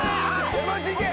山内いけ。